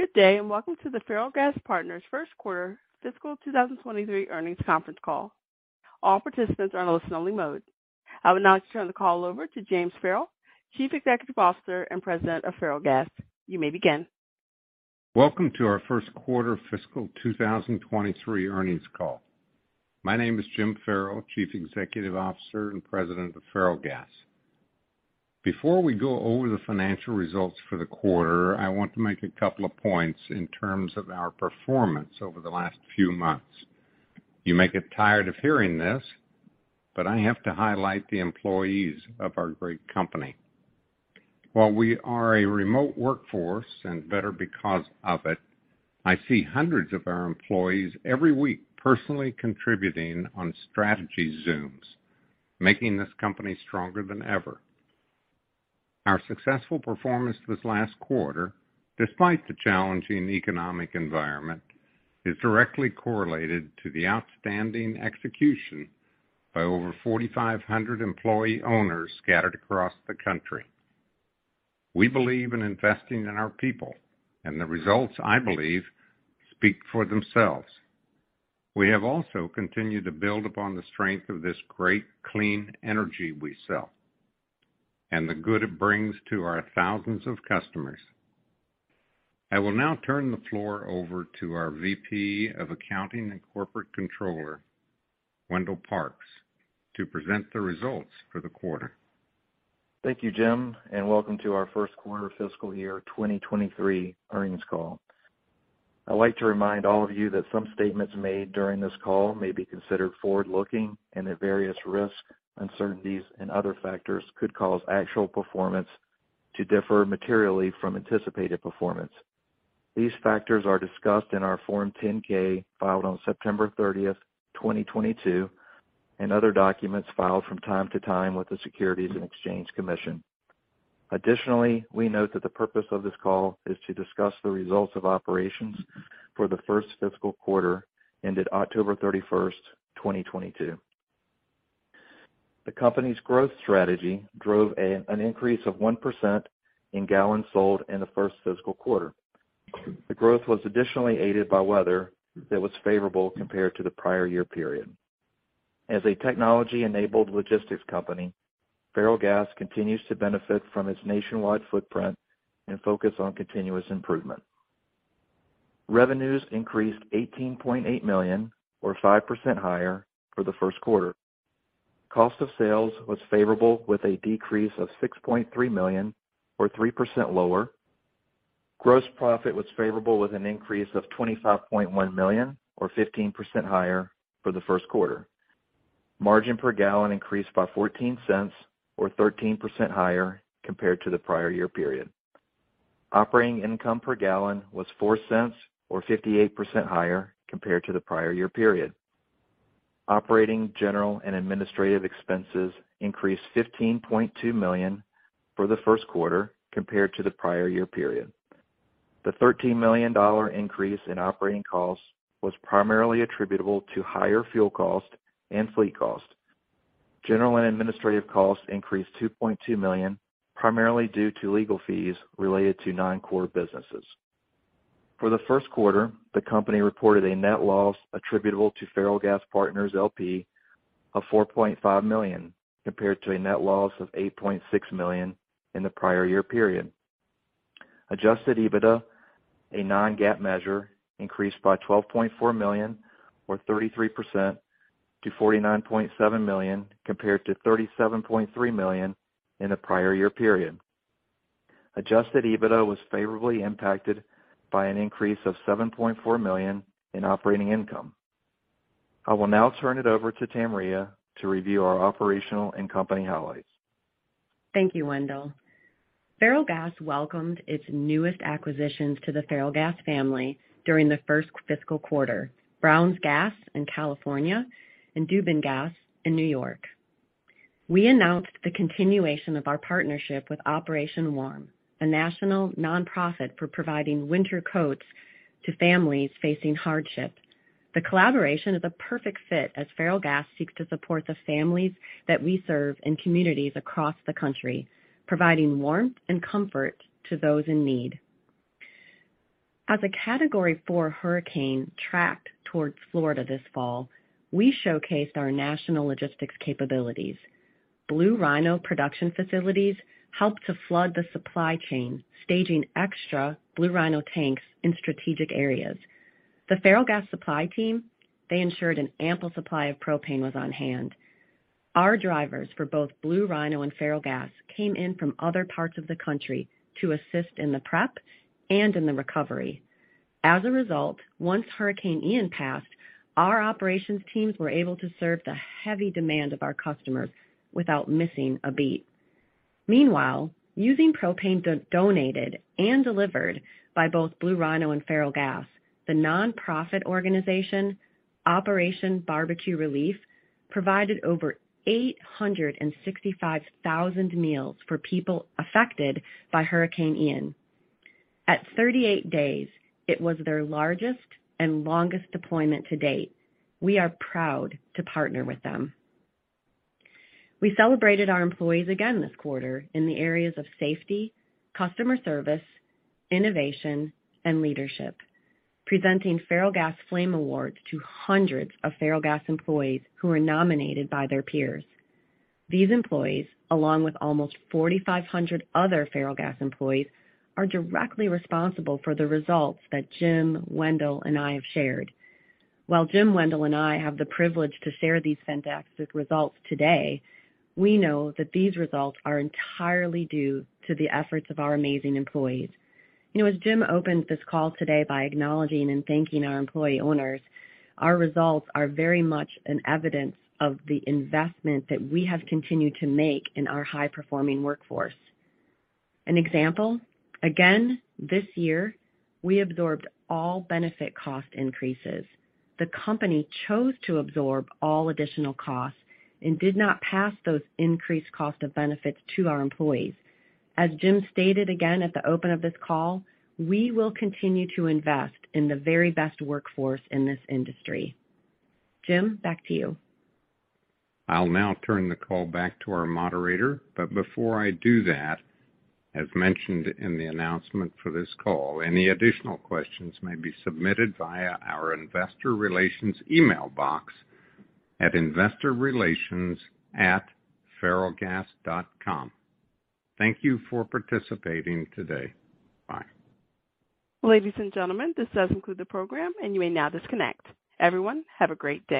Good day, welcome to the Ferrellgas Partners First Quarter Fiscal 2023 Earnings Conference Call. All participants are in a listen-only mode. I would now turn the call over to James Ferrell, Chief Executive Officer and President of Ferrellgas. You may begin. Welcome to our first quarter fiscal 2023 earnings call. My name is Jim Ferrell, Chief Executive Officer and President of Ferrellgas. Before we go over the financial results for the quarter, I want to make a couple of points in terms of our performance over the last few months. You may get tired of hearing this, I have to highlight the employees of our great company. While we are a remote workforce, and better because of it, I see hundreds of our employees every week personally contributing on strategy Zooms, making this company stronger than ever. Our successful performance this last quarter, despite the challenging economic environment, is directly correlated to the outstanding execution by over 4,500 employee owners scattered across the country. We believe in investing in our people, the results, I believe, speak for themselves. We have also continued to build upon the strength of this great clean energy we sell, and the good it brings to our thousands of customers. I will now turn the floor over to our VP of Accounting and Corporate Controller, Wendell Parks, to present the results for the quarter. Thank you, Jim, and welcome to our first quarter fiscal year 2023 earnings call. I'd like to remind all of you that some statements made during this call may be considered forward-looking and that various risks, uncertainties, and other factors could cause actual performance to differ materially from anticipated performance. These factors are discussed in our Form 10-K filed on September 30th, 2022, and other documents filed from time to time with the Securities and Exchange Commission. We note that the purpose of this call is to discuss the results of operations for the first fiscal quarter ended October 31st, 2022. The company's growth strategy drove an increase of 1% in gallons sold in the first fiscal quarter. The growth was additionally aided by weather that was favorable compared to the prior year period. As a technology-enabled logistics company, Ferrellgas continues to benefit from its nationwide footprint and focus on continuous improvement. Revenues increased $18.8 million or 5% higher for the first quarter. Cost of sales was favorable with a decrease of $6.3 million or 3% lower. Gross profit was favorable with an increase of $25.1 million or 15% higher for the first quarter. Margin per gallon increased by $0.14 or 13% higher compared to the prior year period. Operating income per gallon was $0.04 or 58% higher compared to the prior year period. Operating, general, and administrative expenses increased $15.2 million for the first quarter compared to the prior year period. The $13 million increase in operating costs was primarily attributable to higher fuel costs and fleet costs. General and administrative costs increased $2.2 million, primarily due to legal fees related to non-core businesses. For the first quarter, the company reported a net loss attributable to Ferrellgas Partners LP of $4.5 million, compared to a net loss of $8.6 million in the prior year period. Adjusted EBITDA, a non-GAAP measure, increased by $12.4 million or 33% to $49.7 million compared to $37.3 million in the prior year period. Adjusted EBITDA was favorably impacted by an increase of $7.4 million in operating income. I will now turn it over to Tamria to review our operational and company highlights. Thank you, Wendell. Ferrellgas welcomed its newest acquisitions to the Ferrellgas family during the first fiscal quarter, Brown's Gas in California and Dubben Gas in New York. We announced the continuation of our partnership with Operation Warm, a national nonprofit for providing winter coats to families facing hardship. The collaboration is a perfect fit as Ferrellgas seeks to support the families that we serve in communities across the country, providing warmth and comfort to those in need. As a Category 4 hurricane tracked towards Florida this fall, we showcased our national logistics capabilities. Blue Rhino production facilities helped to flood the supply chain, staging extra Blue Rhino tanks in strategic areas. The Ferrellgas supply team, they ensured an ample supply of propane was on hand. Our drivers for both Blue Rhino and Ferrellgas came in from other parts of the country to assist in the prep and in the recovery. Once Hurricane Ian passed, our operations teams were able to serve the heavy demand of our customers without missing a beat. Using propane donated and delivered by both Blue Rhino and Ferrellgas, the nonprofit organization, Operation Barbecue Relief, provided over 865,000 meals for people affected by Hurricane Ian.At 38 days, it was their largest and longest deployment to date. We are proud to partner with them. We celebrated our employees again this quarter in the areas of safety, customer service, innovation, and leadership, presenting Ferrellgas Flame Awards to hundreds of Ferrellgas employees who were nominated by their peers. These employees, along with almost 4,500 other Ferrellgas employees, are directly responsible for the results that Jim, Wendell, and I have shared. While Jim, Wendell, and I have the privilege to share these fantastic results today, we know that these results are entirely due to the efforts of our amazing employees. You know, as Jim opened this call today by acknowledging and thanking our employee owners, our results are very much an evidence of the investment that we have continued to make in our high-performing workforce. An example, again, this year, we absorbed all benefit cost increases. The company chose to absorb all additional costs and did not pass those increased cost of benefits to our employees. As Jim stated again at the open of this call, we will continue to invest in the very best workforce in this industry. Jim, back to you. I'll now turn the call back to our moderator, but before I do that, as mentioned in the announcement for this call, any additional questions may be submitted via our investor relations email box at InvestorRelations@ferrellgas.com. Thank you for participating today. Bye. Ladies and gentlemen, this does conclude the program. You may now disconnect. Everyone, have a great day.